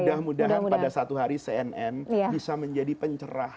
mudah mudahan pada satu hari cnn bisa menjadi pencerah